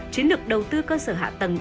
chiến lược đầu tư cơ sở hạ tầng